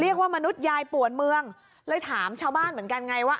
มนุษยายปวดเมืองเลยถามชาวบ้านเหมือนกันไงว่า